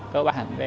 cơ bản về